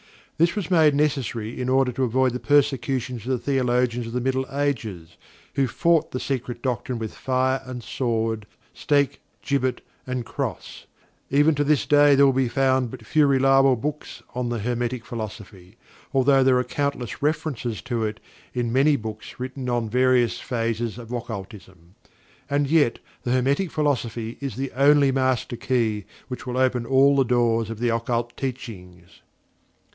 This was made necessary in order to avoid the persecutions of the theologians of the Middle Ages, who fought the Secret Doctrine with fire and sword; stake, gibbet and cross. Even to this day there will be found but few reliable books on the Hermetic Philosophy, although there are countless references to it in many books written on various phases of Occultism. And yet, the Hermetic Philosophy is the only Master Key which will open all the doors of the Occult Teachings!